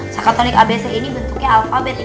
sakatonik abc ini bentuknya alfabetik